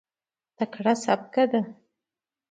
تکړه سبکه ده.